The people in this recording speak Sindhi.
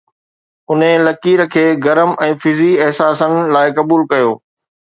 انهي لڪير کي گرم ۽ فزي احساسن لاءِ قبول ڪيو